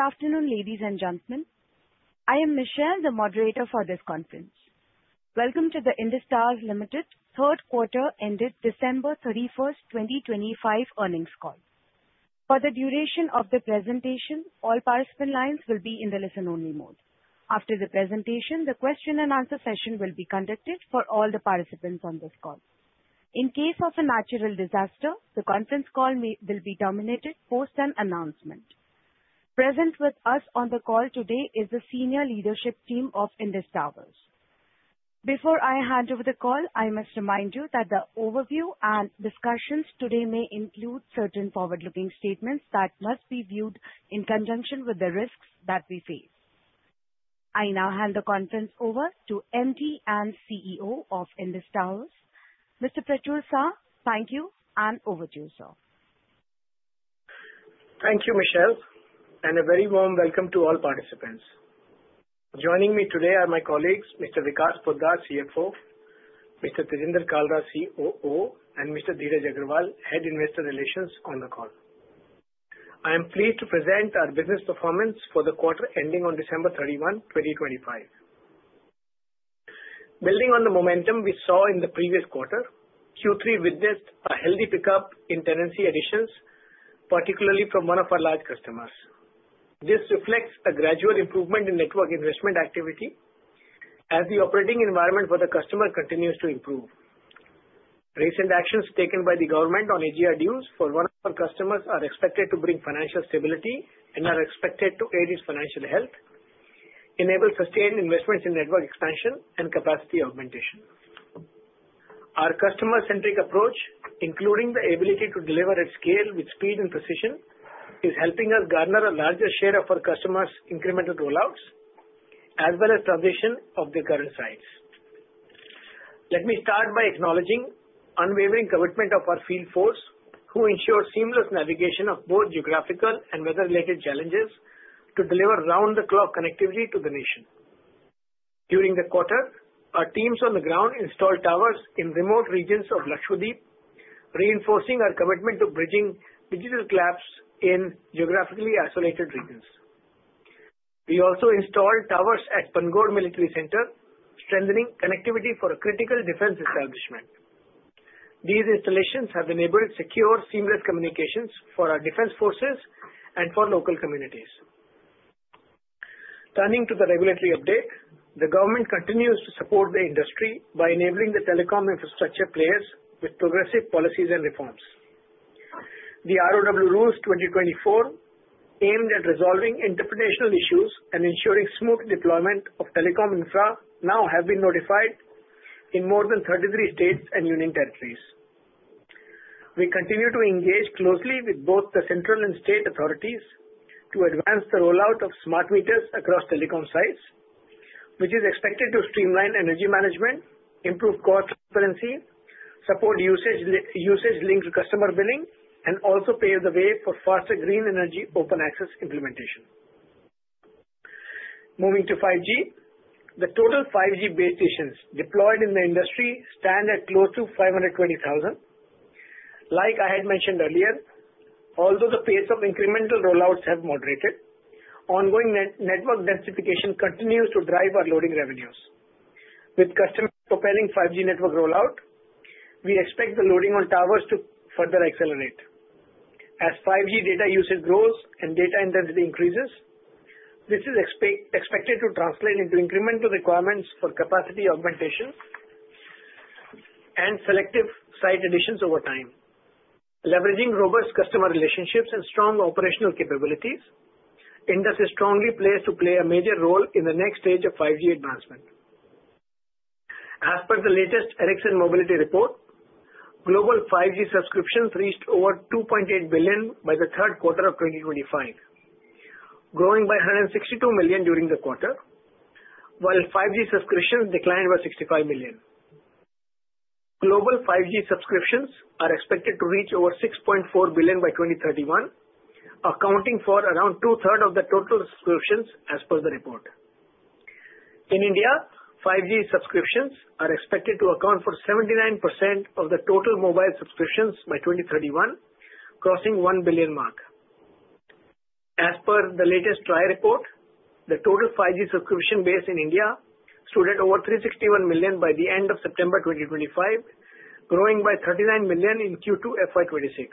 Good afternoon, ladies and gentlemen. I am Michelle, the moderator for this conference. Welcome to the Indus Towers Limited third quarter ended December 31, 2025 earnings call. For the duration of the presentation, all participant lines will be in the listen-only mode. After the presentation, the question and answer session will be conducted for all the participants on this call. In case of a natural disaster, the conference call may be terminated post an announcement. Present with us on the call today is the senior leadership team of Indus Towers. Before I hand over the call, I must remind you that the overview and discussions today may include certain forward-looking statements that must be viewed in conjunction with the risks that we face. I now hand the conference over to MD and CEO of Indus Towers, Mr. Prachur Sah. Thank you, and over to you, sir. Thank you, Michelle, and a very warm welcome to all participants. Joining me today are my colleagues, Mr. Vikas Poddar, CFO, Mr. Tejinder Kalra, COO, and Mr. Dheeraj Agarwal, Head Investor Relations, on the call. I am pleased to present our business performance for the quarter ending on December 31, 2025. Building on the momentum we saw in the previous quarter, Q3 witnessed a healthy pickup in tenancy additions, particularly from one of our large customers. This reflects a gradual improvement in network investment activity as the operating environment for the customer continues to improve. Recent actions taken by the government on AGR dues for one of our customers are expected to bring financial stability and are expected to aid its financial health, enable sustained investments in network expansion and capacity augmentation. Our customer-centric approach, including the ability to deliver at scale with speed and precision, is helping us garner a larger share of our customers' incremental rollouts, as well as transition of their current sites. Let me start by acknowledging unwavering commitment of our field force, who ensure seamless navigation of both Geographical and weather-related challenges to deliver round-the-clock connectivity to the nation. During the quarter, our teams on the ground installed towers in remote regions of Lakshadweep, reinforcing our commitment to bridging digital gaps in Geographically isolated regions. We also installed towers at Pangode Military Center, strengthening connectivity for a critical defense establishment. These installations have enabled secure, seamless communications for our defense forces and for local communities. Turning to the regulatory update, the government continues to support the industry by enabling the telecom infrastructure players with progressive policies and reforms. The ROW Rules 2024, aimed at resolving interpretational issues and ensuring smooth deployment of telecom infra, now have been notified in more than 33 states and union territories. We continue to engage closely with both the central and state authorities to advance the rollout of smart meters across telecom sites, which is expected to streamline energy management, improve cost transparency, support usage linked to customer billing, and also pave the way for faster green energy open access implementation. Moving to 5G. The total 5G base stations deployed in the industry stand at close to 520,000. Like I had mentioned earlier, although the pace of incremental rollouts have moderated, ongoing network densification continues to drive our loading revenues. With customers propelling 5G network rollout, we expect the loading on towers to further accelerate. As 5G data usage grows and data intensity increases, this is expected to translate into incremental requirements for capacity augmentation and selective site additions over time. Leveraging robust customer relationships and strong operational capabilities, Indus is strongly placed to play a major role in the next stage of 5G advancement. As per the latest Ericsson Mobility Report, global 5G subscriptions reached over 2.8 billion by the third quarter of 2025, growing by 162 million during the quarter, while 5G subscriptions declined by 65 million. Global 5G subscriptions are expected to reach over 6.4 billion by 2031, accounting for around two-thirds of the total subscriptions as per the report. In India, 5G subscriptions are expected to account for 79% of the total mobile subscriptions by 2031, crossing 1 billion mark. As per the latest TRAI report, the total 5G subscription base in India stood at over 361 million by the end of September 2025, growing by 39 million in Q2 FY 2026.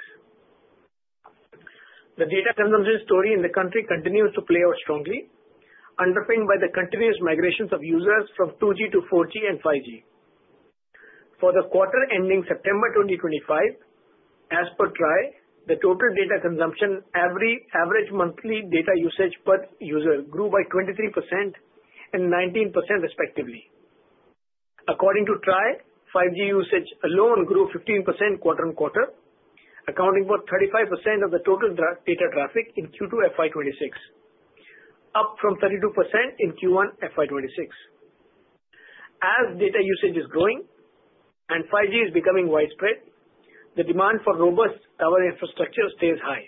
The data consumption story in the country continues to play out strongly, underpinned by the continuous migrations of users from 2G to 4G and 5G. For the quarter ending September 2025, as per TRAI, the total data consumption, average monthly data usage per user grew by 23% and 19%, respectively. According to TRAI, 5G usage alone grew 15% quarter-on-quarter, accounting for 35% of the total data traffic in Q2 FY 2026, up from 32% in Q1 FY 2026. As data usage is growing and 5G is becoming widespread, the demand for robust tower infrastructure stays high.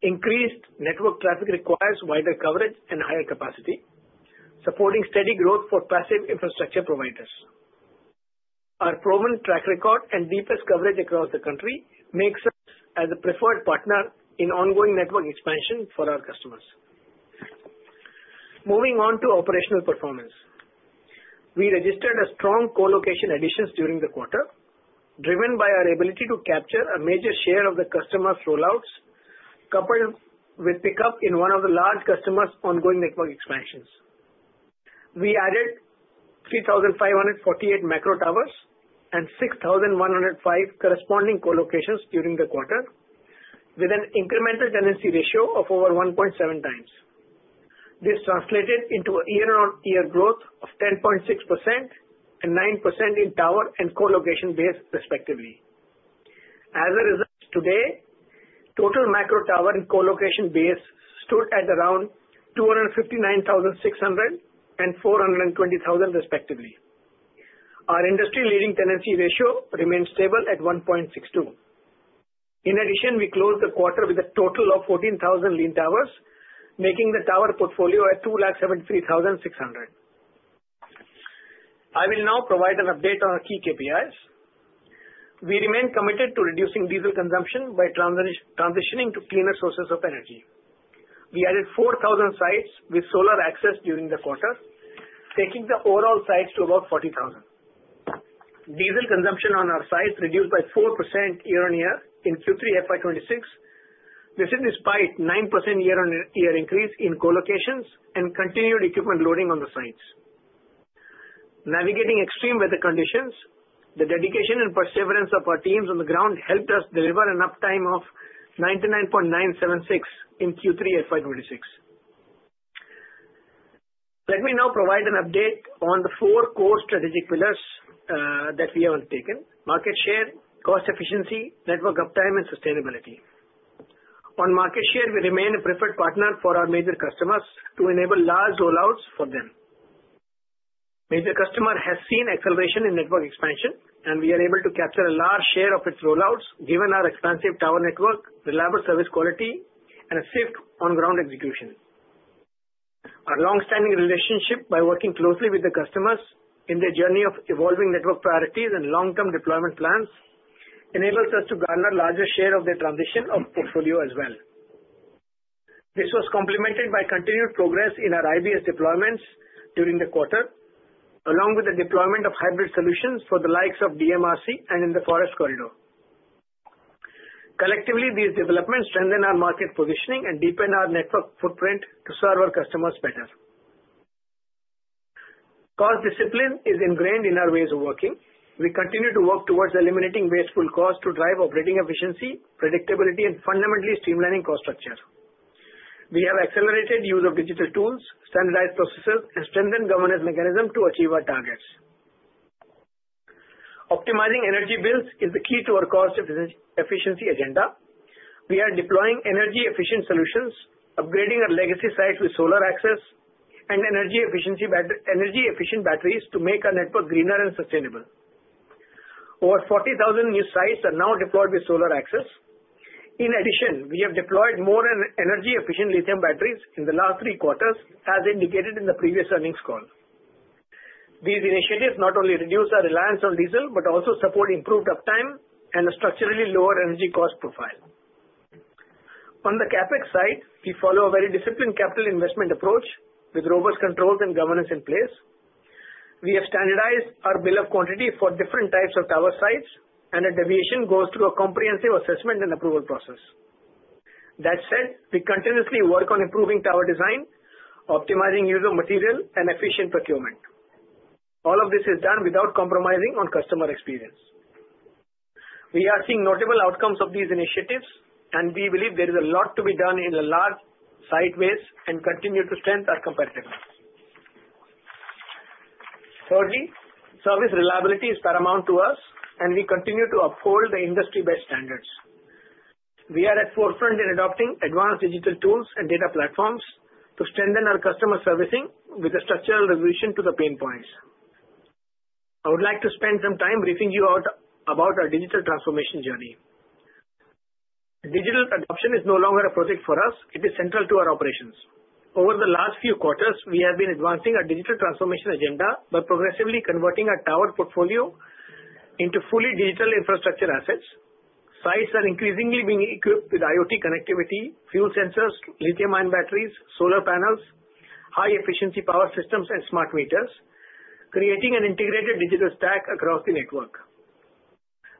Increased network traffic requires wider coverage and higher capacity, supporting steady growth for passive infrastructure providers. Our proven track record and deepest coverage across the country makes us as a preferred partner in ongoing network expansion for our customers. Moving on to operational performance. We registered a strong colocation additions during the quarter, driven by our ability to capture a major share of the customer's rollouts, coupled with pickup in one of the large customers' ongoing network expansions. We added 3,548 macro towers and 6,105 corresponding colocations during the quarter, with an incremental tenancy ratio of over 1.7x. This translated into a year-on-year growth of 10.6% and 9% in tower and colocation base, respectively. As a result, today, total macro tower and colocation base stood at around 259,600 and 420,000, respectively. Our industry-leading tenancy ratio remains stable at 1.62. In addition, we closed the quarter with a total of 14,000 lean towers, making the tower portfolio at 273,600. I will now provide an update on our key KPIs. We remain committed to reducing diesel consumption by transitioning to cleaner sources of energy. We added 4,000 sites with solar access during the quarter, taking the overall sites to about 40,000. Diesel consumption on our sites reduced by 4% year-on-year in Q3 FY 2026. This is despite 9% year-on-year increase in colocations and continued equipment loading on the sites. Navigating extreme weather conditions, the dedication and perseverance of our teams on the ground helped us deliver an uptime of 99.976% in Q3 FY 2026. Let me now provide an update on the four core strategic pillars that we have undertaken: market share, cost efficiency, network uptime, and sustainability. On market share, we remain a preferred partner for our major customers to enable large rollouts for them. Major customer has seen acceleration in network expansion, and we are able to capture a large share of its rollouts, given our expansive tower network, reliable service quality, and a safe on-ground execution. Our long-standing relationship by working closely with the customers in their journey of evolving network priorities and long-term deployment plans, enables us to garner larger share of their transition of portfolio as well. This was complemented by continued progress in our IBS deployments during the quarter, along with the deployment of hybrid solutions for the likes of DMRC and in the forest corridor. Collectively, these developments strengthen our market positioning and deepen our network footprint to serve our customers better. Cost discipline is ingrained in our ways of working. We continue to work towards eliminating wasteful costs to drive operating efficiency, predictability, and fundamentally streamlining cost structure. We have accelerated use of digital tools, standardized processes, and strengthened governance mechanism to achieve our targets. Optimizing energy bills is the key to our cost efficiency agenda. We are deploying energy-efficient solutions, upgrading our legacy sites with solar access and energy-efficient batteries to make our network greener and sustainable. Over 40,000 new sites are now deployed with solar access. In addition, we have deployed more energy-efficient lithium batteries in the last three quarters, as indicated in the previous earnings call. These initiatives not only reduce our reliance on diesel, but also support improved uptime and a structurally lower energy cost profile. On the CapEx side, we follow a very disciplined capital investment approach with robust controls and governance in place. We have standardized our bill of quantity for different types of tower sites, and a deviation goes through a comprehensive assessment and approval process. That said, we continuously work on improving tower design, optimizing use of material, and efficient procurement. All of this is done without compromising on customer experience. We are seeing notable outcomes of these initiatives, and we believe there is a lot to be done in the large site base and continue to strengthen our competitiveness. Thirdly, service reliability is paramount to us, and we continue to uphold the industry-best standards. We are at the forefront in adopting advanced digital tools and data platforms to strengthen our customer servicing with a structural resolution to the pain points. I would like to spend some time briefing you out about our digital transformation journey. Digital adoption is no longer a project for us, it is central to our operations. Over the last few quarters, we have been advancing our digital transformation agenda by progressively converting our tower portfolio into fully digital infrastructure assets. Sites are increasingly being equipped with IoT connectivity, fuel sensors, lithium-ion batteries, solar panels, high-efficiency power systems, and smart meters, creating an integrated digital stack across the network.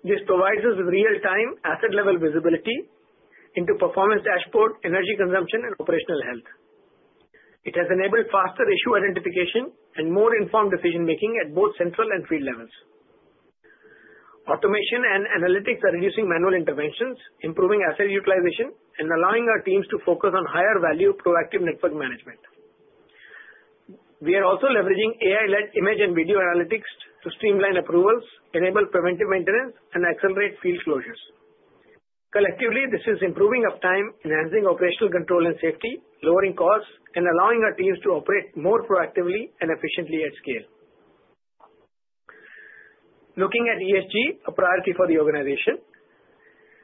This provides us with real-time, asset-level visibility into performance dashboard, energy consumption, and operational health. It has enabled faster issue identification and more informed decision-making at both central and field levels. Automation and analytics are reducing manual interventions, improving asset utilization, and allowing our teams to focus on higher value, proactive network management. We are also leveraging AI-led image and video analytics to streamline approvals, enable preventive maintenance, and accelerate field closures. Collectively, this is improving uptime, enhancing operational control and safety, lowering costs, and allowing our teams to operate more proactively and efficiently at scale. Looking at ESG, a priority for the organization.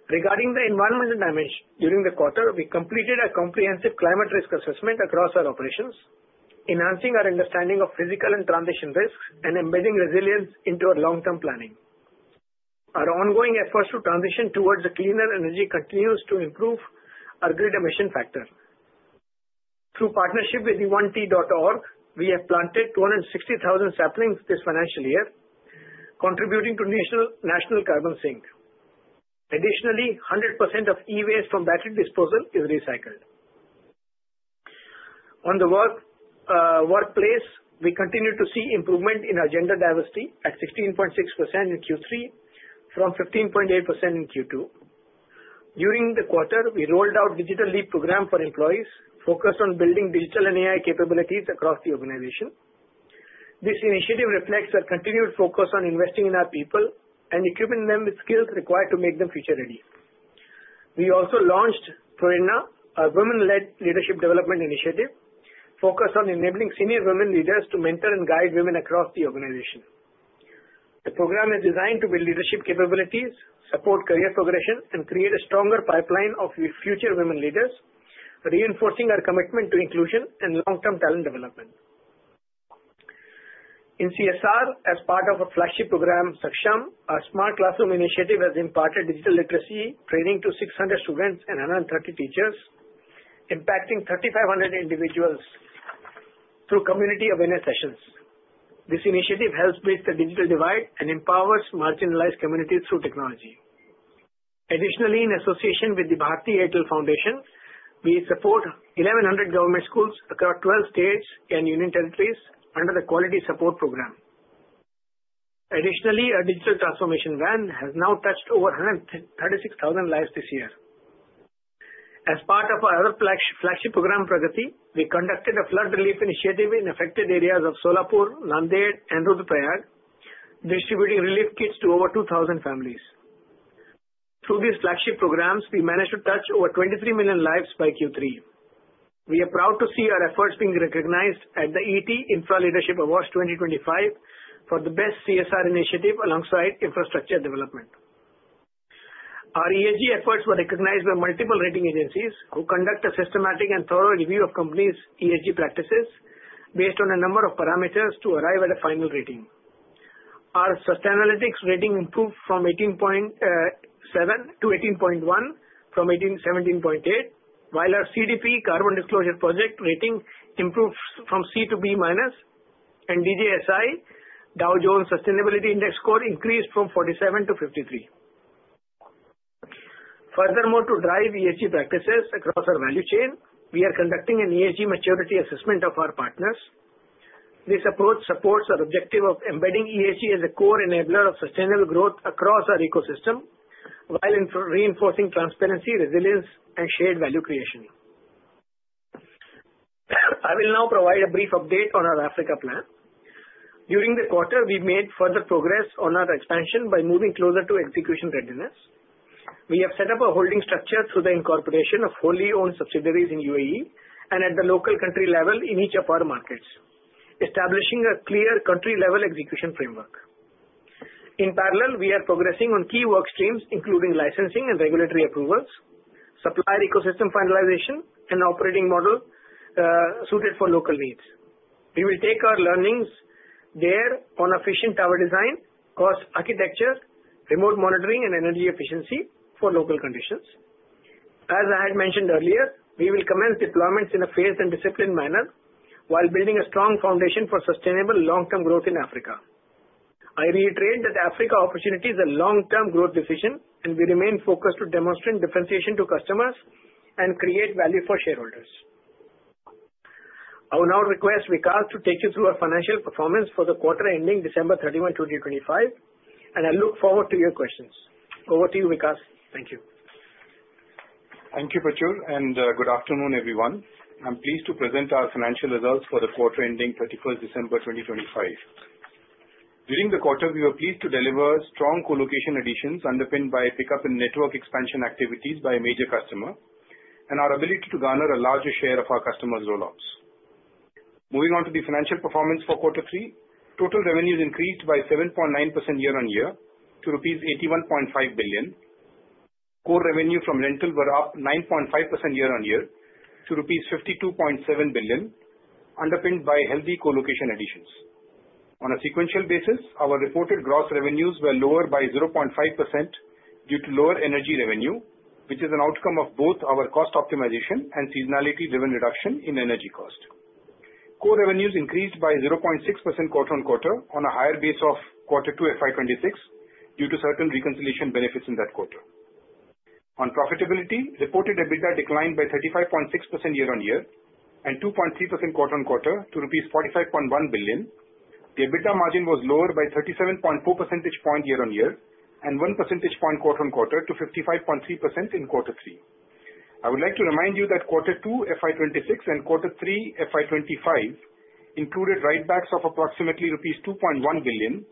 Regarding the environmental damage, during the quarter, we completed a comprehensive climate risk assessment across our operations, enhancing our understanding of physical and transition risks, and embedding resilience into our long-term planning. Our ongoing efforts to transition towards a cleaner energy continues to improve our grid emission factor. Through partnership with the 1t.org, we have planted 260,000 saplings this financial year, contributing to national, national carbon sink. Additionally, 100% of e-waste from battery disposal is recycled. On the work, workplace, we continue to see improvement in our gender diversity at 16.6% in Q3 from 15.8% in Q2. During the quarter, we rolled out digital lead program for employees, focused on building digital and AI capabilities across the organization. This initiative reflects our continued focus on investing in our people and equipping them with skills required to make them future ready. We also launched Prerana, a women-led leadership development initiative, focused on enabling senior women leaders to mentor and guide women across the organization. The program is designed to build leadership capabilities, support career progression, and create a stronger pipeline of future women leaders, reinforcing our commitment to inclusion and long-term talent development. In CSR, as part of a flagship program, Saksham, our smart classroom initiative, has imparted digital literacy training to 600 students and 130 teachers, impacting 3,500 individuals through community awareness sessions. This initiative helps bridge the digital divide and empowers marginalized communities through technology. Additionally, in association with the Bharti Airtel Foundation, we support 1,100 government schools across 12 states and union territories under the Quality Support Program. Additionally, our digital transformation van has now touched over 136,000 lives this year. As part of our other flagship program, Pragati, we conducted a flood relief initiative in affected areas of Solapur, Nanded, and Rudraprayag, distributing relief kits to over 2,000 families. Through these flagship programs, we managed to touch over 23 million lives by Q3. We are proud to see our efforts being recognized at the ET Infra Leadership Awards 2025 for the Best CSR Initiative, alongside infrastructure development. Our ESG efforts were recognized by multiple rating agencies, who conduct a systematic and thorough review of company's ESG practices based on a number of parameters to arrive at a final rating. Our Sustainalytics rating improved from 18.7 to 18.1 from 17.8, while our CDP, Carbon Disclosure Project, rating improved from C to B minus, and DJSI, Dow Jones Sustainability Index, score increased from 47 to 53. Furthermore, to drive ESG practices across our value chain, we are conducting an ESG maturity assessment of our partners. This approach supports our objective of embedding ESG as a core enabler of sustainable growth across our ecosystem, while reinforcing transparency, resilience, and shared value creation. I will now provide a brief update on our Africa plan. During the quarter, we made further progress on our expansion by moving closer to execution readiness. We have set up a holding structure through the incorporation of wholly owned subsidiaries in UAE and at the local country level in each of our markets, establishing a clear country-level execution framework. In parallel, we are progressing on key work streams, including licensing and regulatory approvals, supplier ecosystem finalization, and operating model suited for local needs. We will take our learnings there on efficient tower design, cost architecture, remote monitoring, and energy efficiency for local conditions. As I had mentioned earlier, we will commence deployments in a phased and disciplined manner while building a strong foundation for sustainable long-term growth in Africa. I reiterate that Africa opportunity is a long-term growth decision, and we remain focused to demonstrate differentiation to customers and create value for shareholders. I will now request Vikas to take you through our financial performance for the quarter ending December 31, 2025, and I look forward to your questions. Over to you, Vikas. Thank you. Thank you, Prachur, and good afternoon, everyone. I'm pleased to present our financial results for the quarter ending 31 December 2025. During the quarter, we were pleased to deliver strong colocation additions, underpinned by a pickup in network expansion activities by a major customer, and our ability to garner a larger share of our customers' rollouts. Moving on to the financial performance for quarter three, total revenues increased by 7.9% year-on-year to rupees 81.5 billion. Core revenue from rental were up 9.5% year-on-year to rupees 52.7 billion, underpinned by healthy colocation additions. On a sequential basis, our reported gross revenues were lower by 0.5% due to lower energy revenue, which is an outcome of both our cost optimization and seasonality driven reduction in energy cost. Core revenues increased by 0.6% quarter-on-quarter on a higher base of quarter 2 FY26 due to certain reconciliation benefits in that quarter. On profitability, reported EBITDA declined by 35.6% year-on-year and 2.3% quarter-on-quarter to rupees 45.1 billion. The EBITDA margin was lower by 37.4 percentage point year-on-year, and one percentage point quarter-on-quarter to 55.3% in quarter 3. I would like to remind you that quarter 2, FY26 and quarter 3, FY25, included write-backs of approximately rupees 2.1 billion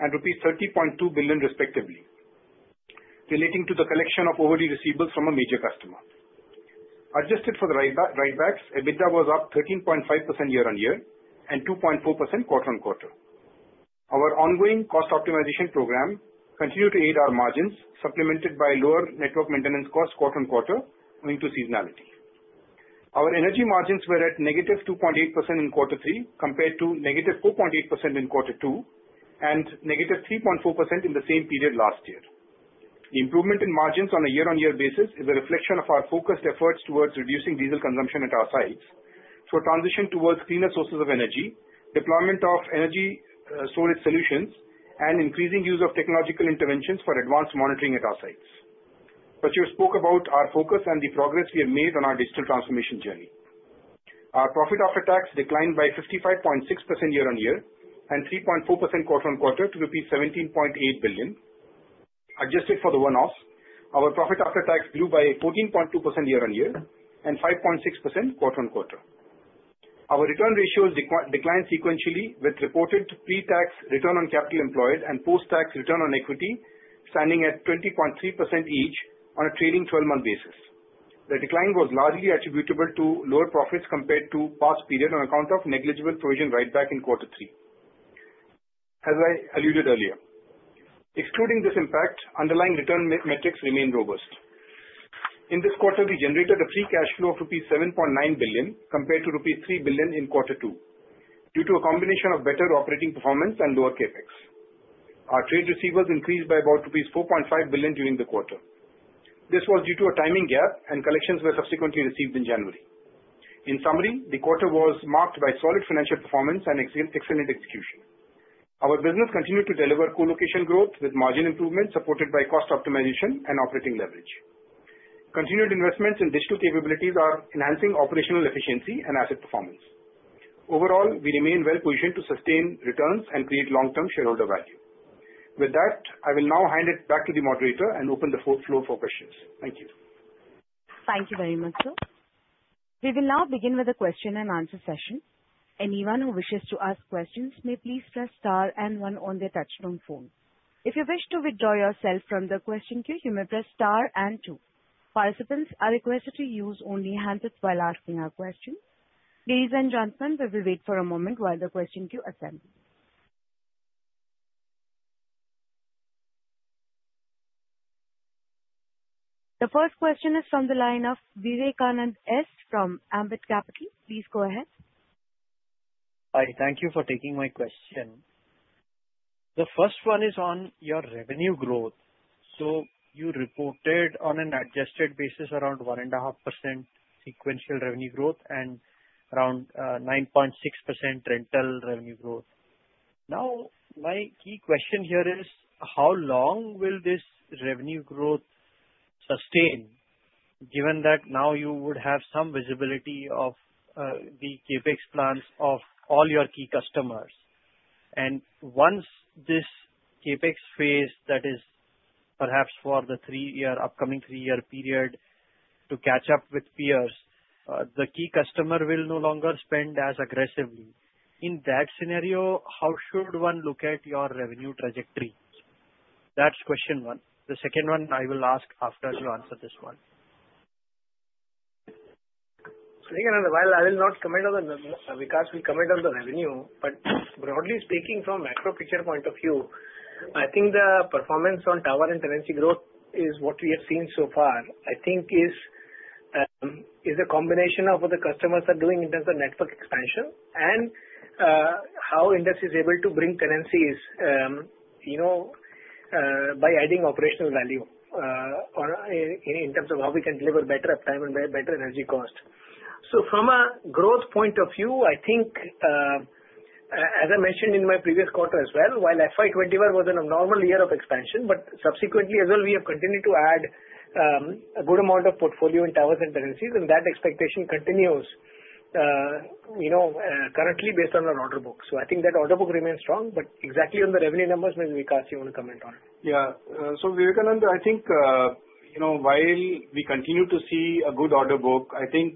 and rupees 30.2 billion respectively, relating to the collection of overdue receivables from a major customer.... adjusted for the writebacks, EBITDA was up 13.5% year-on-year and 2.4% quarter-on-quarter. Our ongoing cost optimization program continued to aid our margins, supplemented by lower network maintenance costs quarter-on-quarter, owing to seasonality. Our energy margins were at -2.8% in Quarter Three, compared to -4.8% in Quarter Two, and -3.4% in the same period last year. The improvement in margins on a year-on-year basis is a reflection of our focused efforts towards reducing diesel consumption at our sites, for transition towards cleaner sources of energy, deployment of energy, storage solutions, and increasing use of technological interventions for advanced monitoring at our sites. But you spoke about our focus and the progress we have made on our digital transformation journey. Our profit after tax declined by 55.6% year-on-year and 3.4% quarter-on-quarter, to rupees 17.8 billion. Adjusted for the one-off, our profit after tax grew by 14.2% year-on-year and 5.6% quarter-on-quarter. Our return ratios declined sequentially, with reported pre-tax return on capital employed and post-tax return on equity standing at 20.3% each on a trailing 12-month basis. The decline was largely attributable to lower profits compared to past period, on account of negligible provision write back in Quarter Three, as I alluded earlier. Excluding this impact, underlying return metrics remain robust. In this quarter, we generated a free cash flow of rupees 7.9 billion, compared to rupees 3 billion in Quarter Two, due to a combination of better operating performance and lower CapEx. Our trade receivables increased by about INR 4.5 billion during the quarter. This was due to a timing gap, and collections were subsequently received in January. In summary, the quarter was marked by solid financial performance and excellent execution. Our business continued to deliver co-location growth with margin improvement, supported by cost optimization and operating leverage. Continued investments in digital capabilities are enhancing operational efficiency and asset performance. Overall, we remain well-positioned to sustain returns and create long-term shareholder value. With that, I will now hand it back to the moderator and open the floor for questions. Thank you. Thank you very much, sir. We will now begin with a question and answer session. Anyone who wishes to ask questions may please press star and one on their touchtone phone. If you wish to withdraw yourself from the question queue, you may press star and two. Participants are requested to use only the handset while asking your questions. Ladies and gentlemen, we will wait for a moment while the question queue assembles. The first question is from the line of Vivekananda S. from Ambit Capital. Please go ahead. Hi, thank you for taking my question. The first one is on your revenue growth. So you reported on an adjusted basis, around 1.5% sequential revenue growth and around 9.6% rental revenue growth. Now, my key question here is: how long will this revenue growth sustain, given that now you would have some visibility of the CapEx plans of all your key customers? And once this CapEx phase, that is perhaps for the three-year, upcoming three-year period to catch up with peers, the key customer will no longer spend as aggressively. In that scenario, how should one look at your revenue trajectory? That's question one. The second one I will ask after you answer this one. While I will not comment on the because we comment on the revenue, but broadly speaking, from macro picture point of view, I think the performance on tower and tenancy growth is what we have seen so far. I think is a combination of what the customers are doing in terms of network expansion and how Indus is able to bring tenancies, you know, by adding operational value or in terms of how we can deliver better uptime and better energy cost. So from a growth point of view, I think, as I mentioned in my previous quarter as well, while FY 21 was an abnormal year of expansion, but subsequently as well, we have continued to add a good amount of portfolio in towers and tenancies, and that expectation continues, you know, currently based on our order book. So I think that order book remains strong, but exactly on the revenue numbers, maybe Vikas, you want to comment on. Yeah. So Vivekananda, I think, you know, while we continue to see a good order book, I think,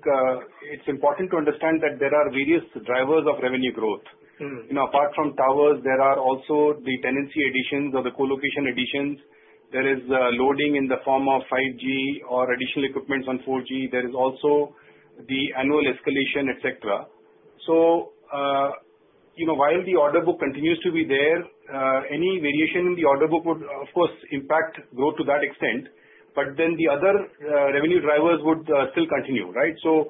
it's important to understand that there are various drivers of revenue growth. Mm. You know, apart from towers, there are also the tenancy additions or the co-location additions. There is loading in the form of 5G or additional equipment on 4G. There is also the annual escalation, et cetera. So, you know, while the order book continues to be there, any variation in the order book would, of course, impact growth to that extent, but then the other revenue drivers would still continue, right? So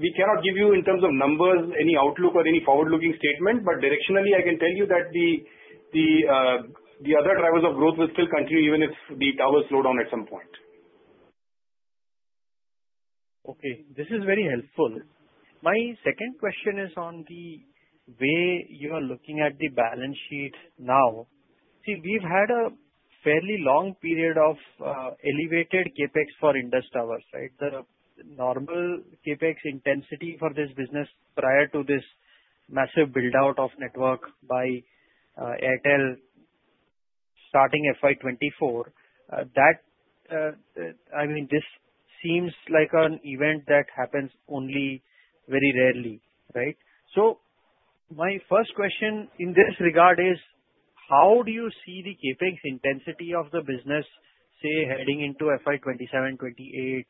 we cannot give you, in terms of numbers, any outlook or any forward-looking statement, but directionally, I can tell you that the other drivers of growth will still continue, even if the towers slow down at some point. Okay, this is very helpful. My second question is on the way you are looking at the balance sheet now. See, we've had a fairly long period of elevated CapEx for Indus Towers, right? The normal CapEx intensity for this business prior to this massive build-out of network by Airtel, starting FY 2024, I mean, this seems like an event that happens only very rarely, right? My first question in this regard is: How do you see the CapEx intensity of the business, say, heading into FY 2027, 2028?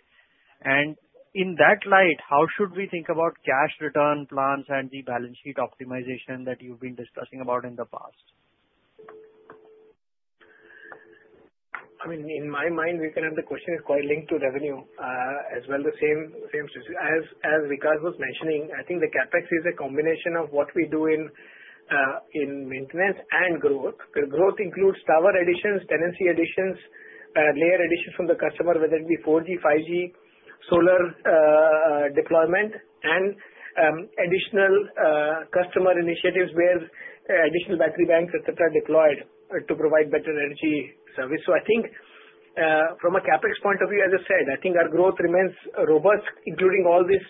And in that light, how should we think about cash return plans and the balance sheet optimization that you've been discussing about in the past? I mean, in my mind, we can have the question is quite linked to revenue, as well the same, same as, as Vikas was mentioning, I think the CapEx is a combination of what we do in, in maintenance and growth. Growth includes tower additions, tenancy additions, layer additions from the customer, whether it be 4G, 5G, solar, deployment, and, additional, customer initiatives where, additional battery banks, et cetera, deployed, to provide better energy service. So I think, from a CapEx point of view, as I said, I think our growth remains robust, including all these,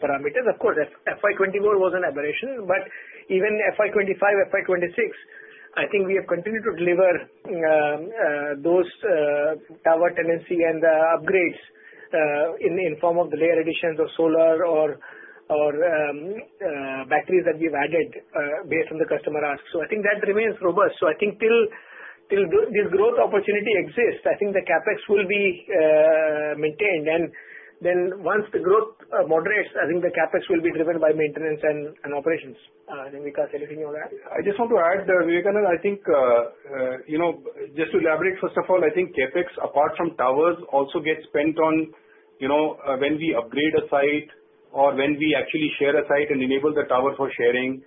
parameters. Of course, FY 2024 was an aberration, but even FY 2025, FY 2026, I think we have continued to deliver those tower tenancy and the upgrades in the form of the layer additions or solar or batteries that we've added based on the customer asks. So I think that remains robust. So I think till this growth opportunity exists, I think the CapEx will be maintained. And then once the growth moderates, I think the CapEx will be driven by maintenance and operations. Vikas, anything you want to add? I just want to add, Vikash, I think, you know, just to elaborate, first of all, I think CapEx, apart from towers, also gets spent on, you know, when we upgrade a site or when we actually share a site and enable the tower for sharing,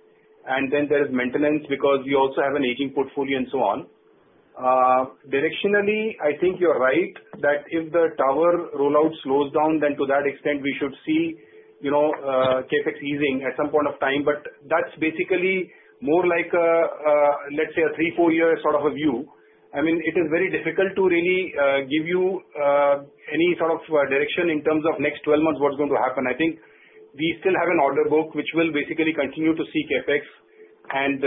and then there is maintenance, because we also have an aging portfolio and so on. Directionally, I think you're right, that if the tower rollout slows down, then to that extent we should see, you know, CapEx easing at some point of time. But that's basically more like a, let's say, a 3-4-year sort of a view. I mean, it is very difficult to really, give you, any sort of, direction in terms of next 12 months, what's going to happen. I think we still have an order book, which will basically continue to see CapEx, and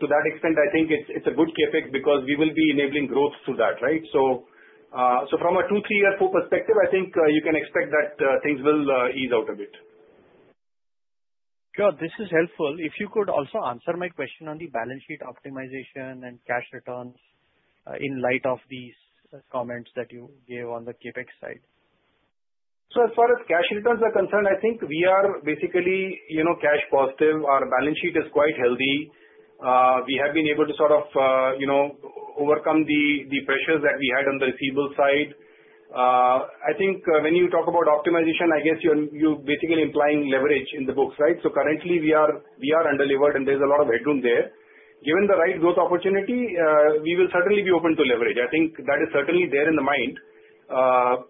to that extent, I think it's a good CapEx because we will be enabling growth through that, right? So, so from a 2- to 3-year full perspective, I think you can expect that things will ease out a bit. Sure, this is helpful. If you could also answer my question on the balance sheet optimization and cash returns, in light of these comments that you gave on the CapEx side. So as far as cash returns are concerned, I think we are basically, you know, cash positive. Our balance sheet is quite healthy. We have been able to sort of, you know, overcome the pressures that we had on the receivables side. I think, when you talk about optimization, I guess you're basically implying leverage in the books, right? So currently, we are under-delivered, and there's a lot of headroom there. Given the right growth opportunity, we will certainly be open to leverage. I think that is certainly there in the mind.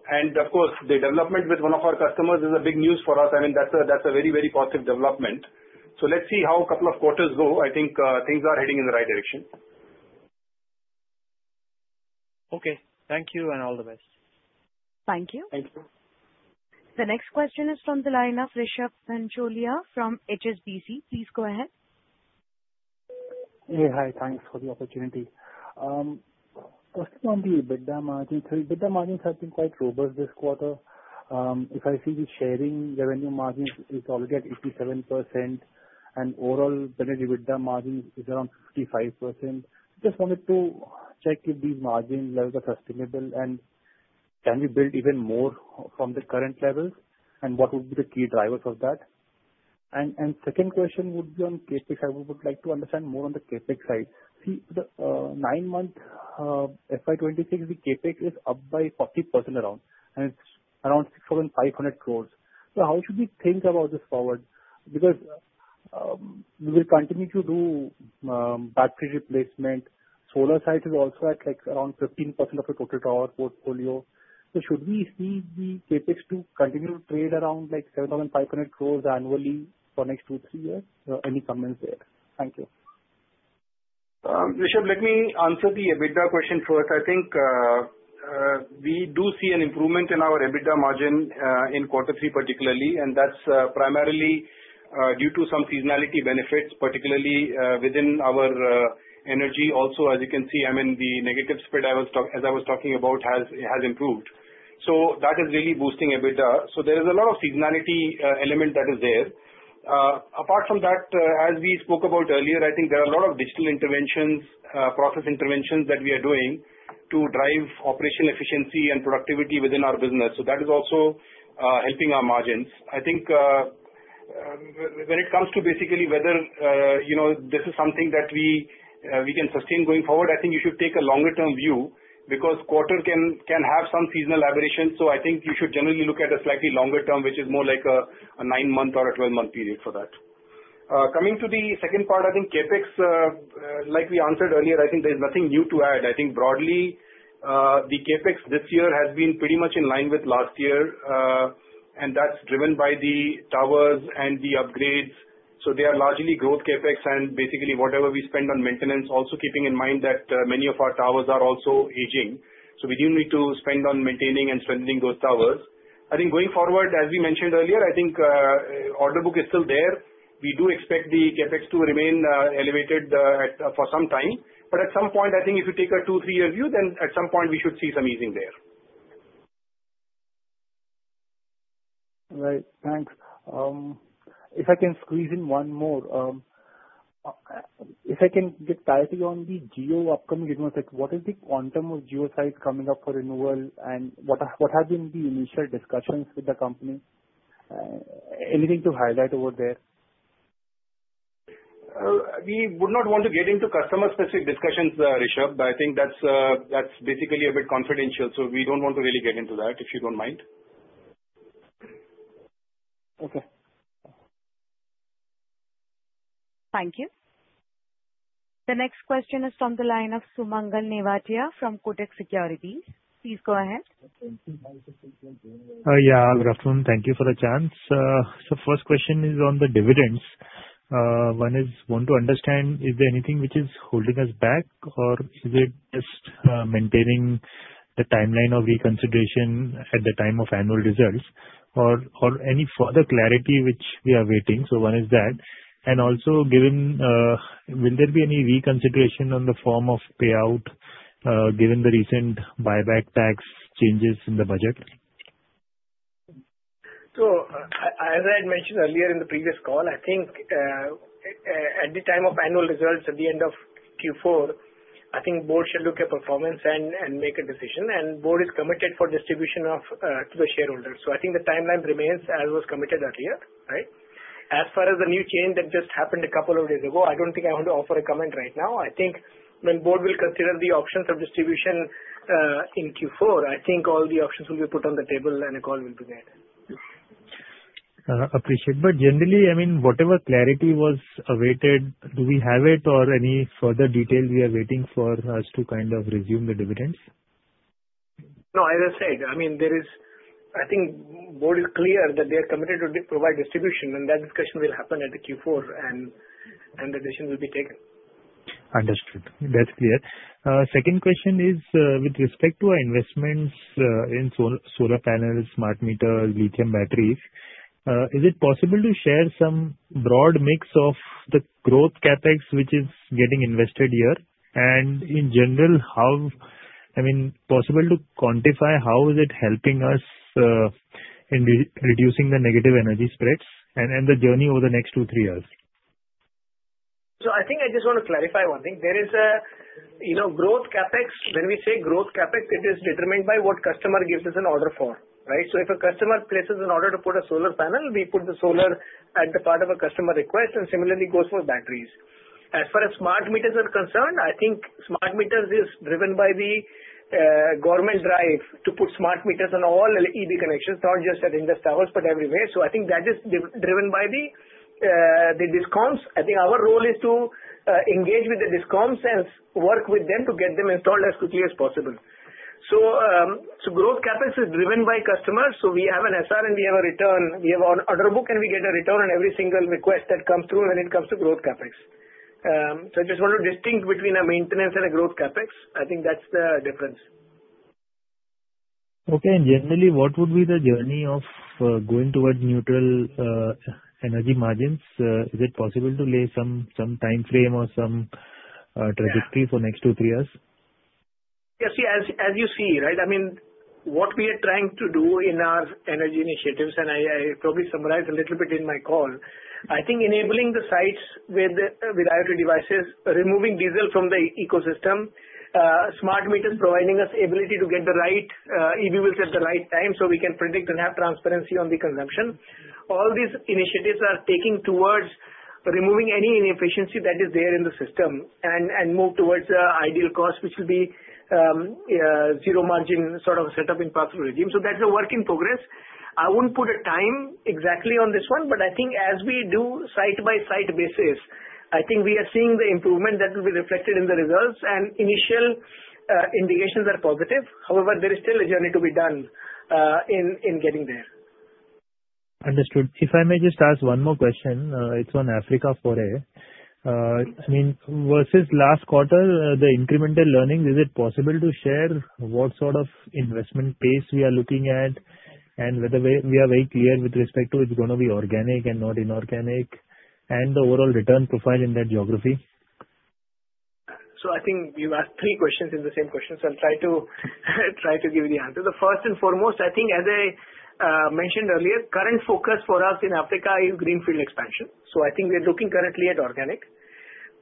And of course, the development with one of our customers is a big news for us. I mean, that's a very, very positive development. So let's see how a couple of quarters go. I think, things are heading in the right direction. Okay. Thank you, and all the best. Thank you. Thank you. The next question is from the line of Rishab Pancholia from HSBC. Please go ahead. Yeah, hi. Thanks for the opportunity. First, on the EBITDA margin, so EBITDA margins have been quite robust this quarter. If I see the sharing revenue margins is already at 87%, and overall, the EBITDA margin is around 55%. Just wanted to check if these margin levels are sustainable, and can we build even more from the current levels, and what would be the key drivers of that? And second question would be on CapEx. I would like to understand more on the CapEx side. See, the nine-month FY 2026, the CapEx is up by 40% around, and it's around 6,500 crore. So how should we think about this forward? Because we will continue to do battery replacement. Solar side is also at, like, around 15% of the total tower portfolio. So should we see the CapEx to continue to trade around, like, 7,500 crore annually for next two, three years? So any comments there? Thank you. Rishab, let me answer the EBITDA question first. I think we do see an improvement in our EBITDA margin in quarter three particularly, and that's primarily due to some seasonality benefits, particularly within our energy. Also, as you can see, I mean, the negative spread as I was talking about has improved. So that is really boosting EBITDA. So there is a lot of seasonality element that is there. Apart from that, as we spoke about earlier, I think there are a lot of digital interventions, process interventions that we are doing to drive operational efficiency and productivity within our business. So that is also helping our margins. I think, when it comes to basically whether, you know, this is something that we, we can sustain going forward, I think you should take a longer-term view, because quarters can, can have some seasonal aberrations. So I think you should generally look at a slightly longer term, which is more like a, a 9-month or a 12-month period for that. Coming to the second part, I think CapEx, like we answered earlier, I think there's nothing new to add. I think broadly, the CapEx this year has been pretty much in line with last year, and that's driven by the towers and the upgrades. So they are largely growth CapEx and basically whatever we spend on maintenance, also keeping in mind that, many of our towers are also aging. We do need to spend on maintaining and strengthening those towers. I think going forward, as we mentioned earlier, I think, order book is still there. We do expect the CapEx to remain elevated for some time, but at some point, I think if you take a 2-3-year view, then at some point we should see some easing there.... Right, thanks. If I can squeeze in one more, if I can get clarity on the Jio upcoming renewal, like, what is the quantum of Jio sites coming up for renewal, and what are, what have been the initial discussions with the company? Anything to highlight over there? We would not want to get into customer-specific discussions, Rishab. I think that's, that's basically a bit confidential, so we don't want to really get into that, if you don't mind. Okay. Thank you. The next question is from the line of Sumangal Nevatia from Kotak Securities. Please go ahead. Yeah, good afternoon. Thank you for the chance. So first question is on the dividends. One is, want to understand, is there anything which is holding us back, or is it just maintaining the timeline of reconsideration at the time of annual results, or any further clarity which we are waiting for? So one is that. And also, given, will there be any reconsideration on the form of payout, given the recent buyback tax changes in the budget? So, as I had mentioned earlier in the previous call, I think, at the time of annual results at the end of Q4, I think board should look at performance and make a decision, and board is committed for distribution of to the shareholders. So I think the timeline remains as was committed earlier, right? As far as the new change that just happened a couple of days ago, I don't think I want to offer a comment right now. I think when board will consider the options of distribution in Q4, I think all the options will be put on the table and a call will be made. Appreciate. But generally, I mean, whatever clarity was awaited, do we have it or any further detail we are waiting for us to kind of resume the dividends? No, as I said, I mean, there is... I think board is clear that they are committed to re-provide distribution, and that discussion will happen at the Q4 and the decision will be taken. Understood. That's clear. Second question is, with respect to our investments, in solar panels, smart meters, lithium batteries, is it possible to share some broad mix of the growth CapEx which is getting invested here? And in general, how, I mean, possible to quantify how is it helping us, in reducing the negative energy spreads and the journey over the next 2-3 years? So I think I just want to clarify one thing. There is a, you know, growth CapEx. When we say growth CapEx, it is determined by what customer gives us an order for, right? So if a customer places an order to put a solar panel, we put the solar at the part of a customer request, and similarly goes for batteries. As far as smart meters are concerned, I think smart meters is driven by the government drive to put smart meters on all EB connections, not just at Indus Towers, but everywhere. So I think that is driven by the discoms. I think our role is to engage with the discoms and work with them to get them installed as quickly as possible. So, so growth CapEx is driven by customers. We have an SR and we have a return, we have an order book, and we get a return on every single request that comes through when it comes to growth CapEx. So I just want to distinguish between a maintenance and a growth CapEx. I think that's the difference. Okay. And generally, what would be the journey of going towards neutral energy margins? Is it possible to lay some timeframe or some trajectory for next two, three years? Yeah. See, as you see, right, I mean, what we are trying to do in our energy initiatives, and I probably summarized a little bit in my call. I think enabling the sites with IoT devices, removing diesel from the ecosystem, smart meters providing us ability to get the right e-bills at the right time, so we can predict and have transparency on the consumption. All these initiatives are taking towards removing any inefficiency that is there in the system, and move towards ideal cost, which will be zero margin sort of setup in path regime. So that's a work in progress. I wouldn't put a time exactly on this one, but I think as we do site-by-site basis, I think we are seeing the improvement that will be reflected in the results, and initial indications are positive. However, there is still a journey to be done, in getting there. Understood. If I may just ask one more question, it's on Africa, foray. I mean, versus last quarter, the incremental learning, is it possible to share what sort of investment pace we are looking at? And whether we are very clear with respect to it's gonna be organic and not inorganic, and the overall return profile in that geography. So I think you asked three questions in the same question, so I'll try to give you the answer. The first and foremost, I think as I mentioned earlier, current focus for us in Africa is greenfield expansion. So I think we are looking currently at organic.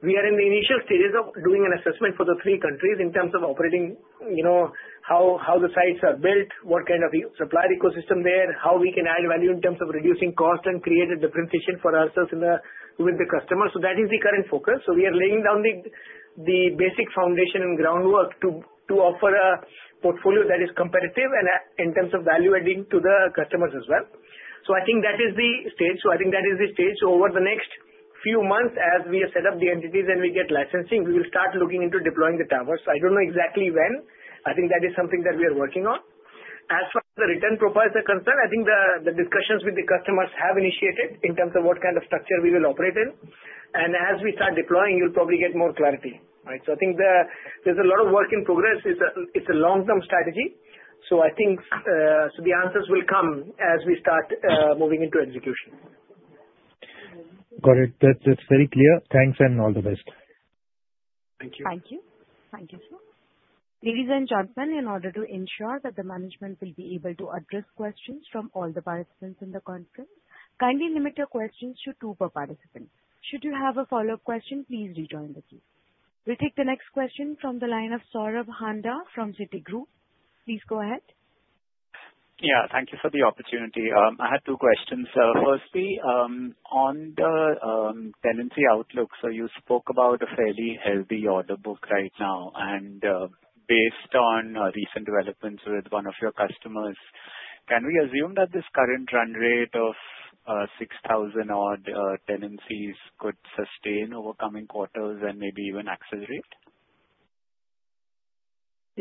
We are in the initial stages of doing an assessment for the three countries in terms of operating, you know, how the sites are built, what kind of e-supply ecosystem there, how we can add value in terms of reducing cost and create a differentiation for ourselves in the, with the customer. So that is the current focus. So we are laying down the basic foundation and groundwork to offer a portfolio that is competitive and in terms of value-adding to the customers as well. So I think that is the stage, so I think that is the stage. So over the next few months, as we set up the entities and we get licensing, we will start looking into deploying the towers. I don't know exactly when. I think that is something that we are working on. As far as the return profiles are concerned, I think the discussions with the customers have initiated in terms of what kind of structure we will operate in. And as we start deploying, you'll probably get more clarity, right? So I think there's a lot of work in progress. It's a long-term strategy. So I think so the answers will come as we start moving into execution. ... Got it. That's, that's very clear. Thanks, and all the best. Thank you. Thank you. Thank you, sir. Ladies and gentlemen, in order to ensure that the management will be able to address questions from all the participants in the conference, kindly limit your questions to two per participant. Should you have a follow-up question, please rejoin the queue. We'll take the next question from the line of Saurabh Handa from Citigroup. Please go ahead. Yeah, thank you for the opportunity. I had two questions. Firstly, on the tenancy outlook. So you spoke about a fairly healthy order book right now, and based on recent developments with one of your customers, can we assume that this current run rate of 6,000-odd tenancies could sustain over coming quarters and maybe even accelerate? Yeah,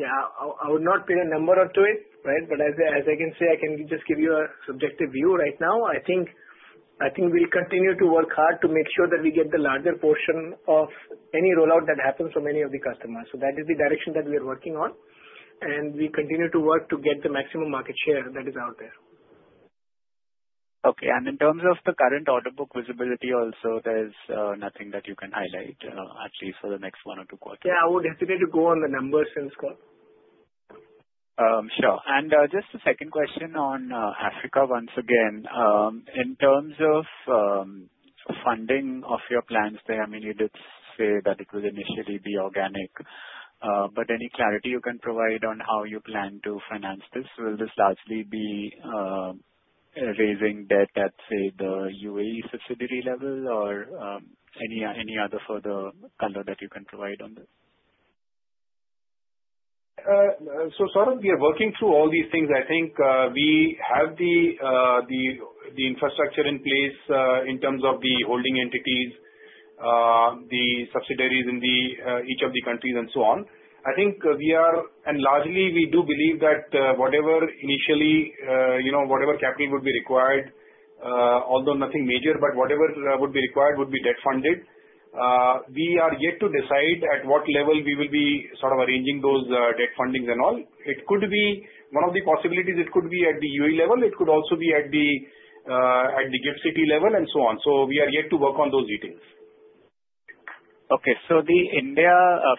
I, I would not pin a number onto it, right? But as I, as I can say, I can just give you a subjective view right now. I think, I think we'll continue to work hard to make sure that we get the larger portion of any rollout that happens from any of the customers. So that is the direction that we are working on. And we continue to work to get the maximum market share that is out there. Okay. In terms of the current order book visibility also, there's nothing that you can highlight, at least for the next one or two quarters? Yeah, I would hesitate to go on the numbers since then. Sure. And just a second question on Africa once again. In terms of funding of your plans there, I mean, you did say that it will initially be organic, but any clarity you can provide on how you plan to finance this? Will this largely be raising debt at, say, the UAE subsidiary level, or any other further color that you can provide on this? So sort of we are working through all these things. I think, we have the infrastructure in place, in terms of the holding entities, the subsidiaries in each of the countries and so on. Largely, we do believe that, whatever initially, you know, whatever capital would be required, although nothing major, but whatever would be required, would be debt-funded. We are yet to decide at what level we will be sort of arranging those debt fundings and all. It could be, one of the possibilities, it could be at the UAE level, it could also be at the GIFT City level and so on. So we are yet to work on those details. Okay, so the India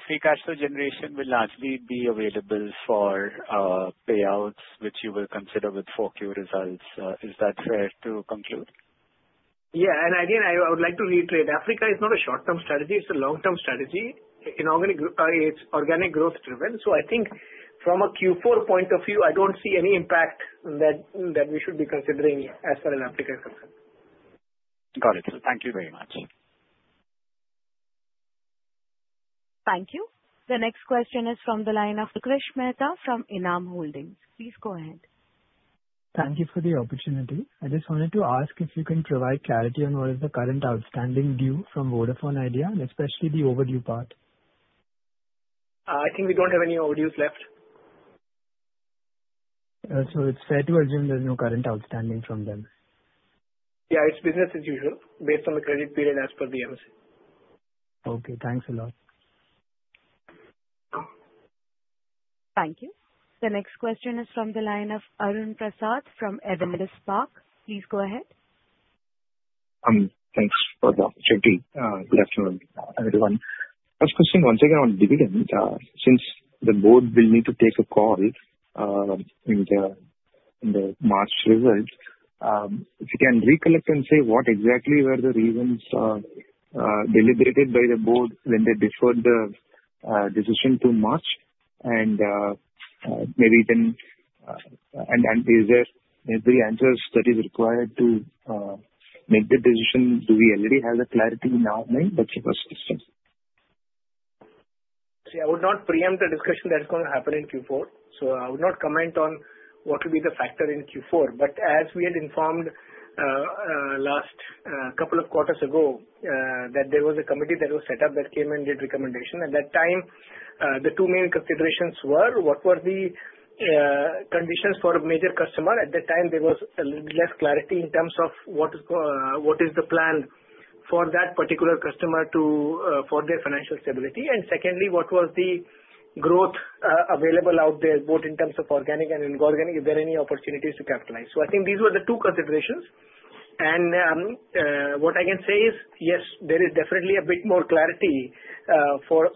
free cash flow generation will largely be available for payouts, which you will consider with 4Q results. Is that fair to conclude? Yeah. Again, I would like to reiterate, Africa is not a short-term strategy, it's a long-term strategy. It normally, it's organic growth driven. So I think from a Q4 point of view, I don't see any impact that we should be considering as far as Africa is concerned. Got it. Thank you very much. Thank you. The next question is from the line of Utkarsh Mehta from Enam Holdings. Please go ahead. Thank you for the opportunity. I just wanted to ask if you can provide clarity on what is the current outstanding due from Vodafone Idea, and especially the overdue part? I think we don't have any overdues left. It's fair to assume there's no current outstanding from them? Yeah, it's business as usual, based on the credit period as per the MSA. Okay, thanks a lot. Thank you. The next question is from the line of Arun Prasad from Edelweiss Park. Please go ahead. Thanks for the opportunity. Good afternoon, everyone. First question, once again on dividends. Since the board will need to take a call in the March results, if you can recollect and say, what exactly were the reasons deliberated by the board when they deferred the decision to March? And maybe even, is there every answers that is required to make the decision, do we already have the clarity in our mind? That's the first question. See, I would not preempt the discussion that's going to happen in Q4. So I would not comment on what will be the factor in Q4. But as we had informed, last couple of quarters ago, that there was a committee that was set up that came and did recommendation. At that time, the two main considerations were, what were the conditions for a major customer? At that time, there was a little bit less clarity in terms of what is the plan for that particular customer to, for their financial stability. And secondly, what was the growth available out there, both in terms of organic and inorganic? Are there any opportunities to capitalize? So I think these were the two considerations. What I can say is, yes, there is definitely a bit more clarity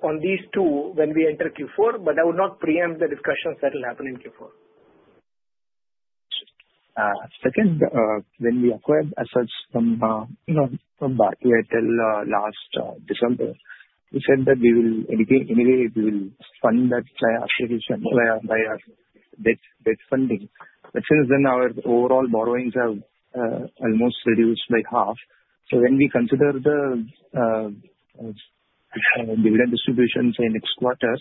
on these two when we enter Q4, but I would not preempt the discussions that will happen in Q4. Second, when we acquired assets from, you know, from Bharti Airtel, last December, you said that we will anyway, anyway, we will fund that by, by debt funding, which is then our overall borrowings have almost reduced by half. So when we consider the dividend distributions in next quarter,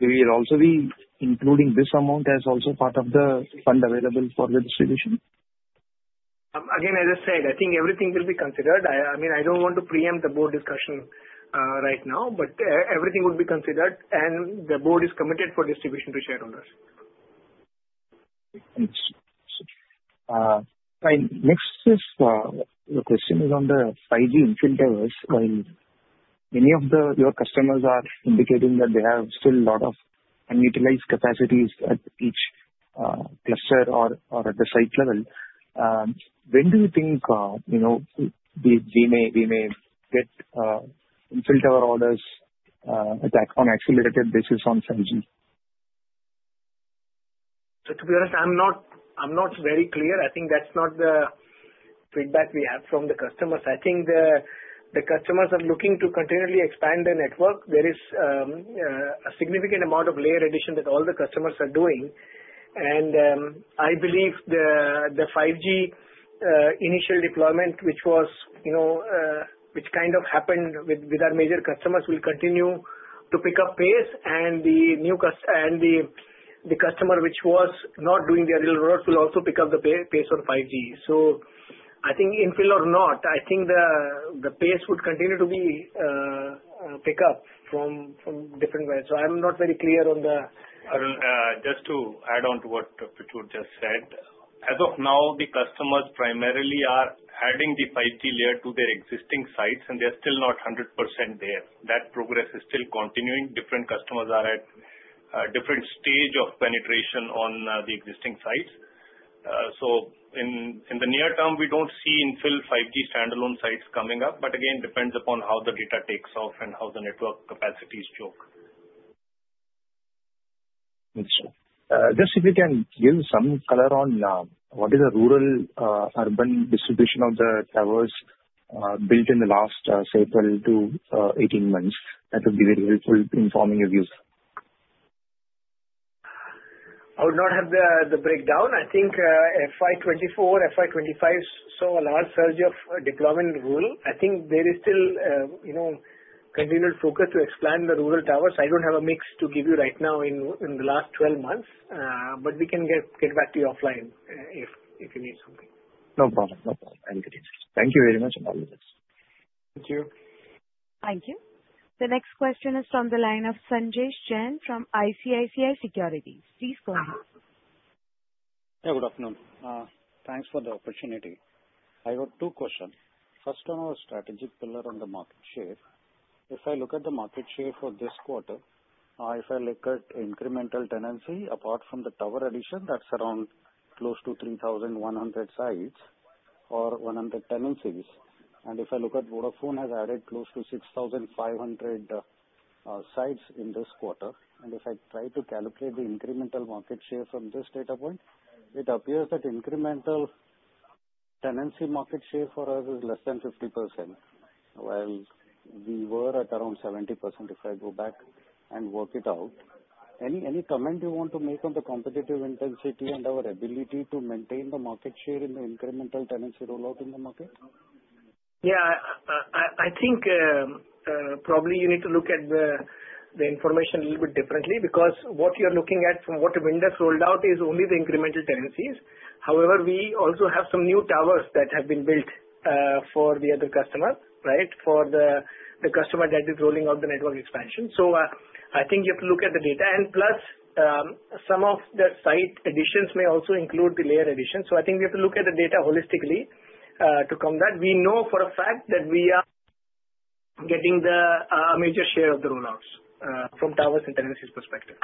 we will also be including this amount as also part of the fund available for the distribution? Again, as I said, I think everything will be considered. I mean, I don't want to preempt the board discussion right now, but everything will be considered, and the board is committed for distribution to shareholders. Thanks. Fine. Next is the question on the 5G infill towers. Many of your customers are indicating that they have still a lot of unutilized capacities at each cluster or at the site level. When do you think, you know, we may get infill tower orders that on accelerated basis on 5G? So to be honest, I'm not, I'm not very clear. I think that's not the feedback we have from the customers. I think the customers are looking to continually expand their network. There is a significant amount of layer addition that all the customers are doing. And I believe the 5G initial deployment, which was, you know, which kind of happened with our major customers, will continue to pick up pace, and the customer which was not doing their annual growth will also pick up the pace on 5G. So I think infill or not, I think the pace would continue to be pick up from different ways. So I'm not very clear on the- Arun, just to add on to what Prachur just said. As of now, the customers primarily are adding the 5G layer to their existing sites, and they're still not 100% there. That progress is still continuing. Different customers are at a different stage of penetration on, the existing sites. So in the near term, we don't see infill 5G standalone sites coming up, but again, depends upon how the data takes off and how the network capacities choke. Understood. Just if you can give some color on what is the rural urban distribution of the towers built in the last, say, 12-18 months. That would be very helpful in forming your views. I would not have the breakdown. I think FY 2024, FY 2025, saw a large surge of deployment rural. I think there is still you know, continued focus to expand the rural towers. I don't have a mix to give you right now in the last 12 months, but we can get back to you offline, if you need something. No problem. No problem. I'll get it. Thank you very much, apologies. Thank you. Thank you. The next question is from the line of Sanjay Jain from ICICI Securities. Please go ahead. Yeah, good afternoon. Thanks for the opportunity. I have two questions. First, on our strategic pillar on the market share. If I look at the market share for this quarter, if I look at incremental tenancy, apart from the tower addition, that's around close to 3,100 sites or 100 tenancies. And if I look at Vodafone has added close to 6,500 sites in this quarter. And if I try to calculate the incremental market share from this data point, it appears that incremental tenancy market share for us is less than 50%, while we were at around 70%, if I go back and work it out. Any comment you want to make on the competitive intensity and our ability to maintain the market share in the incremental tenancy rollout in the market? Yeah, I think probably you need to look at the information a little bit differently, because what you're looking at from what a vendor's rolled out is only the incremental tenancies. However, we also have some new towers that have been built for the other customer, right? For the customer that is rolling out the network expansion. So, I think you have to look at the data. And plus, some of the site additions may also include the layer additions. So I think we have to look at the data holistically to combat. We know for a fact that we are getting a major share of the rollouts from towers and tenancies perspective.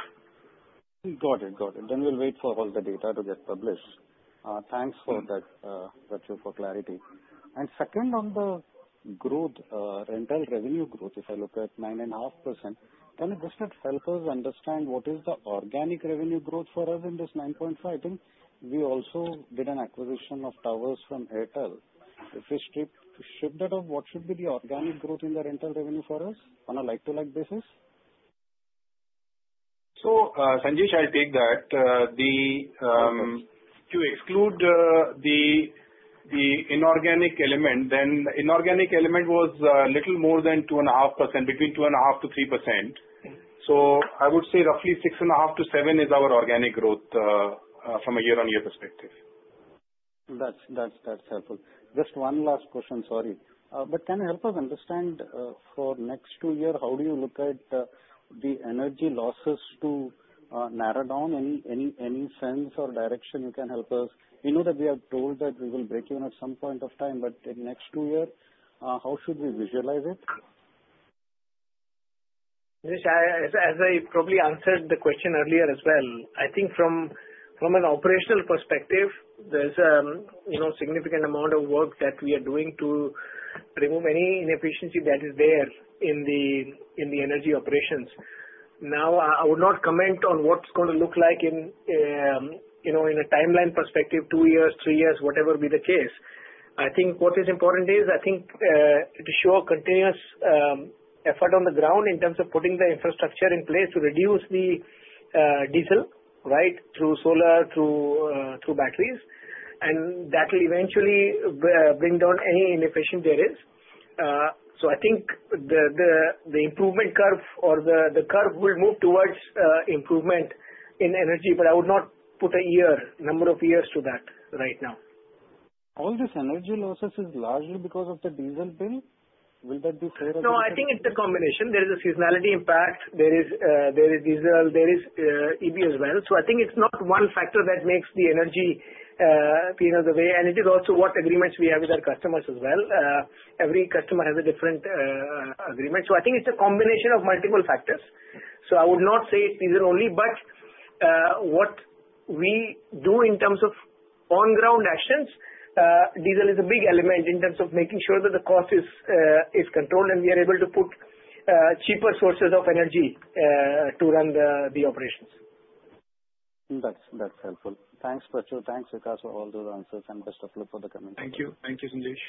Got it. Got it. Then we'll wait for all the data to get published. Thanks for that, thank you for clarity. And second, on the growth, rental revenue growth, if I look at 9.5%, can you just help us understand what is the organic revenue growth for us in this 9.5? I think we also did an acquisition of towers from Airtel. If we strip, strip that off, what should be the organic growth in the rental revenue for us on a like-to-like basis? So, Sanjay, I'll take that. Of course. to exclude the inorganic element, then the inorganic element was little more than 2.5%, between 2.5%-3%. Mm-hmm. I would say roughly 6.5-7 is our organic growth from a year-on-year perspective. That's, that's, that's helpful. Just one last question, sorry. But can you help us understand, for next 2 year, how do you look at, the energy losses to, narrow down? Any, any, any sense or direction you can help us? We know that we have told that we will break even at some point of time, but in next 2 years, how should we visualize it? Sanjay, as I probably answered the question earlier as well, I think from an operational perspective, there's you know significant amount of work that we are doing to remove any inefficiency that is there in the energy operations. Now, I would not comment on what it's going to look like in you know in a timeline perspective, 2 years, 3 years, whatever be the case. I think what is important is, I think, to show a continuous effort on the ground in terms of putting the infrastructure in place to reduce the diesel, right? Through solar, through batteries, and that will eventually bring down any inefficiency there is. So I think the improvement curve or the curve will move towards improvement in energy, but I would not put a year, number of years to that right now. All this energy losses is largely because of the diesel bill. Will that be fair? No, I think it's a combination. There is a seasonality impact. There is, there is diesel, there is, EB as well. So I think it's not one factor that makes the energy, you know, the way... and it is also what agreements we have with our customers as well. Every customer has a different, agreement. So I think it's a combination of multiple factors. So I would not say it's diesel only, but, what we do in terms of on-ground actions, diesel is a big element in terms of making sure that the cost is, is controlled, and we are able to put, cheaper sources of energy, to run the, the operations. That's helpful. Thanks, Prachur. Thanks, Vikas, for all the answers, and best of luck for the coming quarter. Thank you. Thank you, Sanjesh.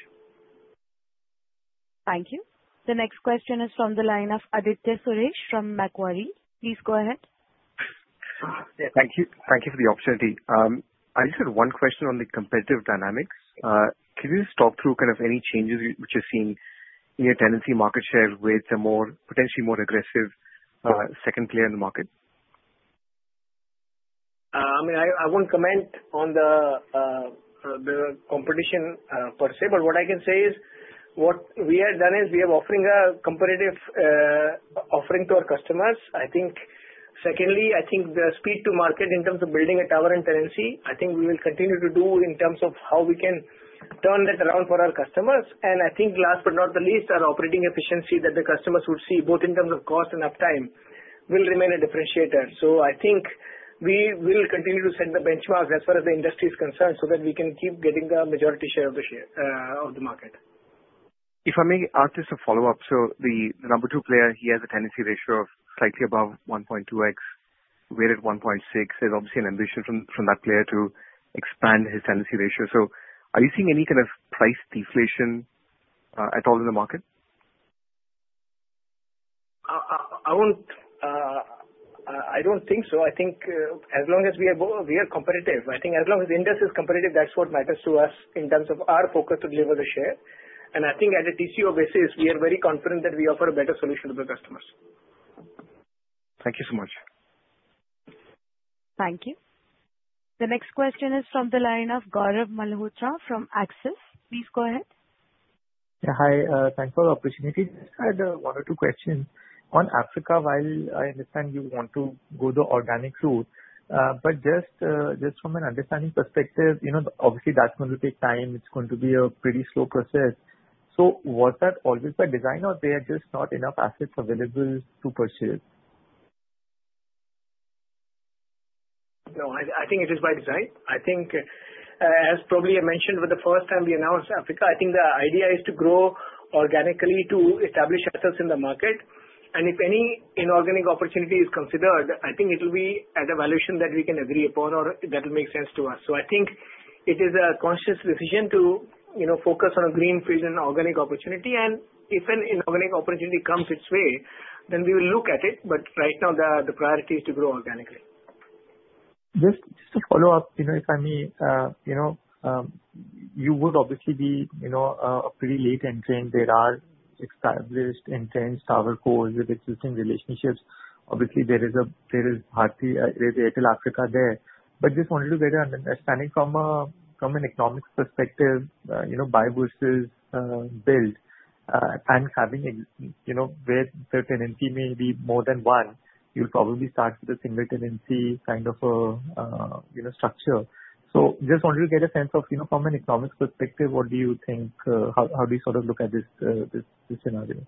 Thank you. The next question is from the line of Aditya Suresh from Macquarie. Please go ahead. Yeah, thank you. Thank you for the opportunity. I just had one question on the competitive dynamics. Can you just talk through kind of any changes which you're seeing in your tenancy market share with a more, potentially more aggressive, second player in the market? I mean, I won't comment on the competition, per se, but what I can say is, what we have done is we are offering a competitive offering to our customers. I think secondly, I think the speed to market in terms of building a tower and tenancy, I think we will continue to do in terms of how we can turn that around for our customers. And I think last but not the least, our operating efficiency that the customers would see, both in terms of cost and uptime, will remain a differentiator. So I think we will continue to set the benchmark as far as the industry is concerned, so that we can keep getting the majority share of the share of the market. If I may ask just a follow-up. So the number two player, he has a tenancy ratio of slightly above 1.2x, we're at 1.6. There's obviously an ambition from that player to expand his tenancy ratio. So are you seeing any kind of price deflation at all in the market? I don't think so. I think as long as we are competitive. I think as long as Indus is competitive, that's what matters to us in terms of our focus to deliver the share. And I think as a TCO basis, we are very confident that we offer a better solution to the customers. Thank you so much. Thank you. The next question is from the line of Gaurav Malhotra from Axis. Please go ahead. Yeah, hi, thanks for the opportunity. I just had one or two questions. On Africa, while I understand you want to go the organic route, but just from an understanding perspective, you know, obviously, that's going to take time, it's going to be a pretty slow process. So was that always by design, or there are just not enough assets available to purchase? No, I think it is by design. I think, as probably I mentioned with the first time we announced Africa, I think the idea is to grow organically to establish assets in the market. And if any inorganic opportunity is considered, I think it will be at a valuation that we can agree upon or that will make sense to us. So I think it is a conscious decision to, you know, focus on a greenfield and organic opportunity. And if an inorganic opportunity comes its way, then we will look at it, but right now the priority is to grow organically. Just to follow up, you know, if I may, you know, you would obviously be, you know, a pretty late entrant. There are established entrants, TowerCos with existing relationships. Obviously, there is Bharti, there's Airtel Africa there. But just wanted to get an understanding from an economics perspective, you know, buy versus build, and having a, you know, where the tenancy may be more than one, you'll probably start with a single tenancy kind of a structure. So just wanted to get a sense of, you know, from an economics perspective, what do you think? How do you sort of look at this scenario?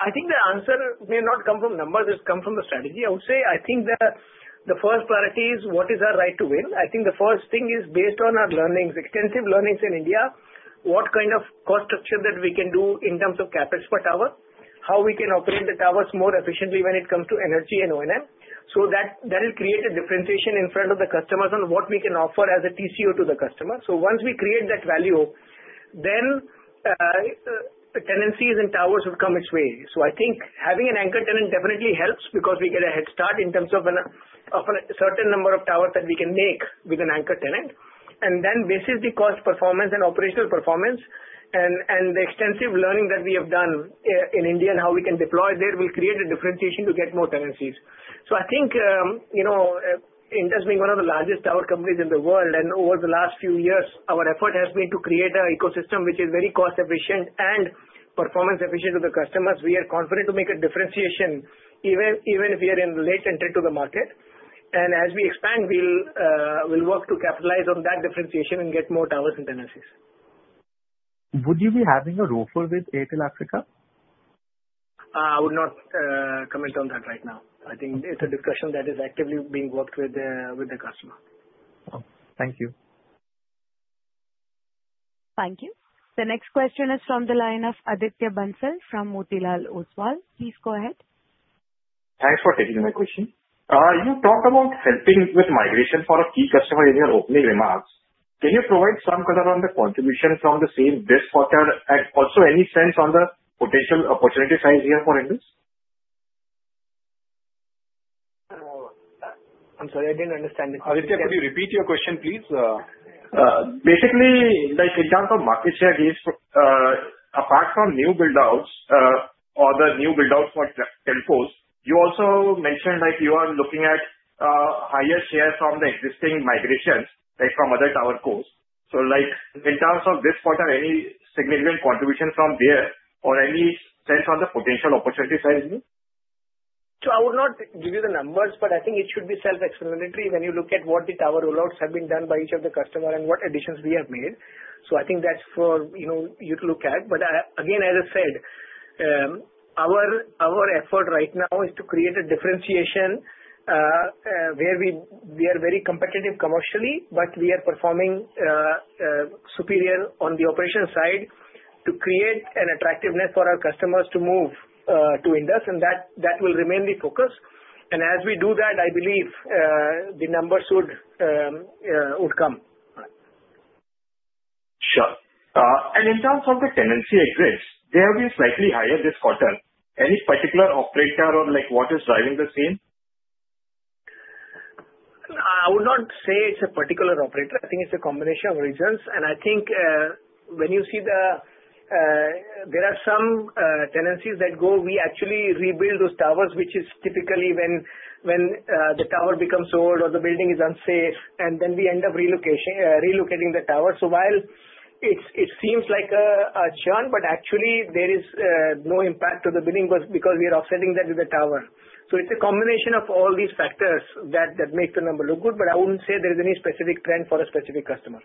I think the answer may not come from numbers; it comes from the strategy. I would say, I think that the first priority is what is our right to win. I think the first thing is based on our learnings, extensive learnings in India, what kind of cost structure that we can do in terms of CapEx per tower, how we can operate the towers more efficiently when it comes to energy and O&M. So that will create a differentiation in front of the customers on what we can offer as a TCO to the customer. So once we create that value, then, the tenancies and towers will come its way. So I think having an anchor tenant definitely helps, because we get a head start in terms of of a certain number of towers that we can make with an anchor tenant. And then basically cost performance and operational performance and the extensive learning that we have done in India and how we can deploy there will create a differentiation to get more tenancies. So I think you know Indus being one of the largest tower companies in the world and over the last few years our effort has been to create an ecosystem which is very cost efficient and performance efficient to the customers. We are confident to make a differentiation even if we are a late entrant to the market. And as we expand we'll work to capitalize on that differentiation and get more towers and tenancies. Would you be having a ROFO with Airtel Africa? I would not comment on that right now. I think it's a discussion that is actively being worked with the customer. Oh, thank you. Thank you. The next question is from the line of Aditya Bansal from Motilal Oswal. Please go ahead. Thanks for taking my question. You talked about helping with migration for a key customer in your opening remarks. Can you provide some color on the contribution from the same this quarter, and also any sense on the potential opportunity size here for Indus? I'm sorry, I didn't understand it. Aditya, could you repeat your question, please? Basically, like, in terms of market share gains, apart from new build outs, or the new build outs for Telcos, you also mentioned that you are looking at higher shares from the existing migrations, like from other TowerCos. So, like, in terms of this quarter, any significant contribution from there or any sense on the potential opportunity size here? So I would not give you the numbers, but I think it should be self-explanatory when you look at what the tower rollouts have been done by each of the customer and what additions we have made. So I think that's for you, you know, to look at. But again, as I said, our effort right now is to create a differentiation where we are very competitive commercially, but we are performing superior on the operational side to create an attractiveness for our customers to move to Indus, and that will remain the focus. As we do that, I believe, the numbers would come. Sure. In terms of the tenancy exits, they have been slightly higher this quarter. Any particular operator or, like, what is driving the same? I would not say it's a particular operator. I think it's a combination of reasons. I think, when you see the, there are some tenancies that go, we actually rebuild those towers, which is typically when the tower becomes old or the building is unsafe, and then we end up relocating the tower. So while it seems like a churn, but actually there is no impact to the building, because we are offsetting that with the tower. So it's a combination of all these factors that make the number look good, but I wouldn't say there is any specific trend for a specific customer.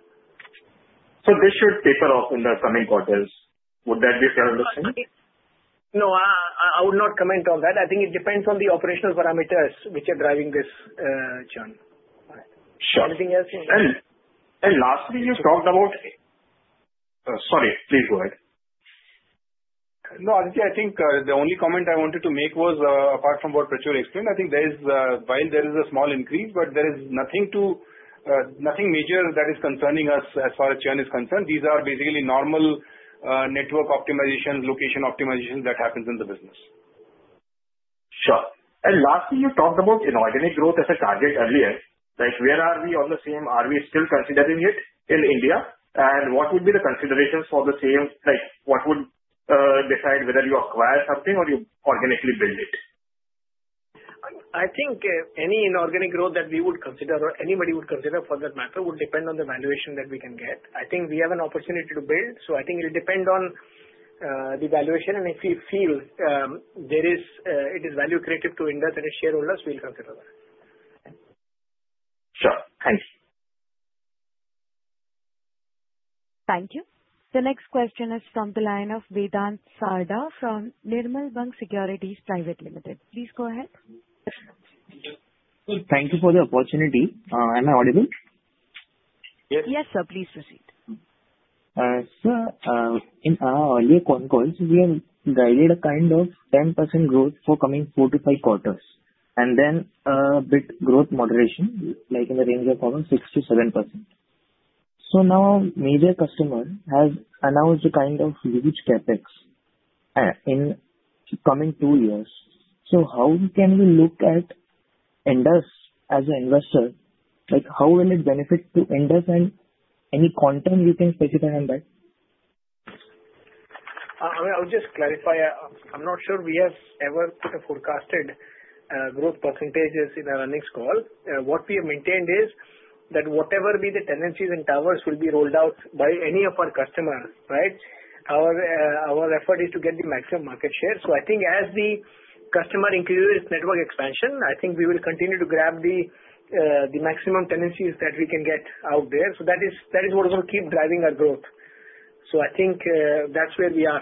So this should taper off in the coming quarters. Would that be fair to say? No, I would not comment on that. I think it depends on the operational parameters which are driving this churn. Sure. Anything else? Lastly, you talked about... Sorry. Please go ahead. No, I think the only comment I wanted to make was, apart from what Prachur explained, I think there is, while there is a small increase, but there is nothing, nothing major that is concerning us as far as churn is concerned. These are basically normal network optimization, location optimization that happens in the business. Sure. And lastly, you talked about inorganic growth as a target earlier. Like, where are we on the same? Are we still considering it in India? And what would be the considerations for the same? Like, what would decide whether you acquire something or you organically build it? I think any inorganic growth that we would consider or anybody would consider for that matter would depend on the valuation that we can get. I think we have an opportunity to build, so I think it will depend on the valuation, and if we feel it is value creative to Indus and its shareholders, we'll consider that. Sure. Thank you. Thank you. The next question is from the line of Vedant Sarda from Nirmal Bang Securities Private Limited. Please go ahead. Thank you for the opportunity. Am I audible? Yes, sir. Please proceed. So, in our earlier concalls, we have guided a kind of 10% growth for coming 4-5 quarters, and then, bit growth moderation, like in the range of around 6%-7%. So now major customer has announced a kind of huge CapEx, in coming 2 years. So how can we look at Indus as an investor? Like, how will it benefit to Indus, and any quantum you can specify on that? I would just clarify. I'm not sure we have ever forecasted growth percentages in our earnings call. What we have maintained is that whatever be the tenancies and towers will be rolled out by any of our customer, right? Our effort is to get the maximum market share. So I think as the customer increases network expansion, I think we will continue to grab the maximum tenancies that we can get out there. So that is what is going to keep driving our growth. So I think that's where we are.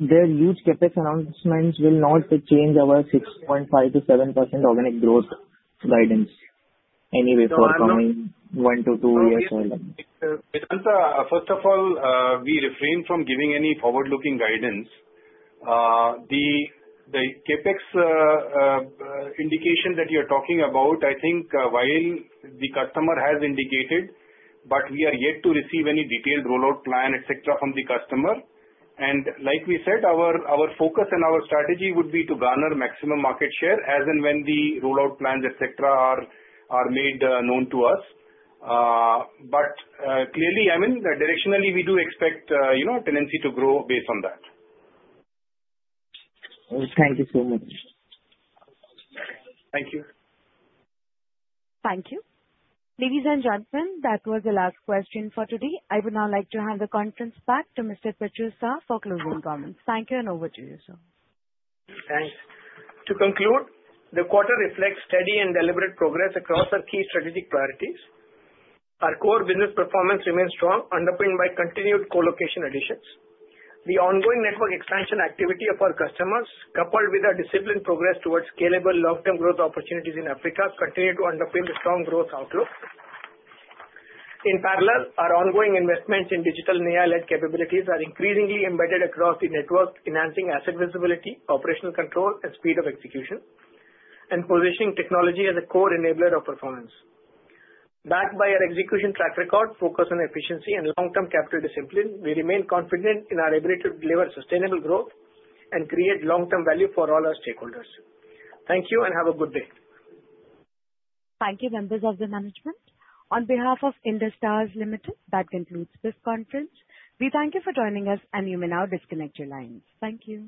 Their huge CapEx announcements will not change our 6.5%-7% organic growth guidance anyway for the coming 1-2 years? Vedant, first of all, we refrain from giving any forward-looking guidance. The CapEx indication that you're talking about, I think, while the customer has indicated, but we are yet to receive any detailed rollout plan, et cetera, from the customer. Like we said, our focus and our strategy would be to garner maximum market share as and when the rollout plans, et cetera, are made known to us. But clearly, I mean, directionally, we do expect, you know, tenancy to grow based on that. Thank you so much. Thank you. Thank you. Ladies and gentlemen, that was the last question for today. I would now like to hand the conference back to Mr. Prachur Sah for closing comments. Thank you, and over to you, sir. Thanks. To conclude, the quarter reflects steady and deliberate progress across our key strategic priorities. Our core business performance remains strong, underpinned by continued co-location additions. The ongoing network expansion activity of our customers, coupled with our disciplined progress towards scalable long-term growth opportunities in Africa, continue to underpin the strong growth outlook. In parallel, our ongoing investments in digital AI-led capabilities are increasingly embedded across the network, enhancing asset visibility, operational control and speed of execution, and positioning technology as a core enabler of performance. Backed by our execution track record, focus on efficiency and long-term capital discipline, we remain confident in our ability to deliver sustainable growth and create long-term value for all our stakeholders. Thank you, and have a good day. Thank you, members of the management. On behalf of Indus Towers Limited, that concludes this conference. We thank you for joining us, and you may now disconnect your lines. Thank you.